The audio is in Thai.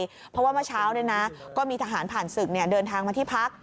เพราะว่าเมื่อเช้าก็มีทหารผ่านศึกเดินทางมาที่พัก